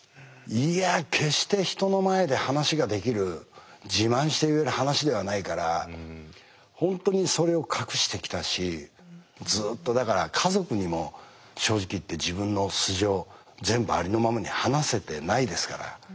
いや決して人の前で話ができる自慢して言う話ではないから本当にそれを隠してきたしずっとだから家族にも正直言って自分の素性全部ありのままに話せてないですから。